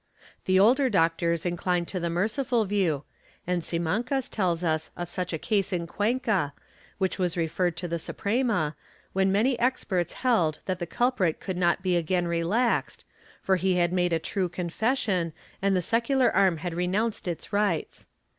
The older doctors inclined to the merciful view and Simancas tells us of such a case in Cuenca, which was referred to the Suprema, when many experts held that the culprit could not be again relaxed, for he had made a true confession, and the secular arm had renounced its rights.